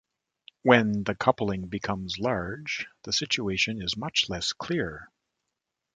When the coupling becomes large, the situation is much less clear.